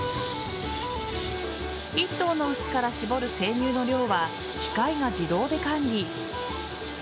１頭の牛から搾る生乳の量は機械が自動で管理。